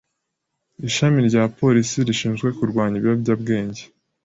Ishami rya Polisi rishinzwe kurwanya Ibiyobyabwenge